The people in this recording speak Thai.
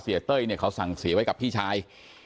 เต้ยเนี่ยเขาสั่งเสียไว้กับพี่ชาย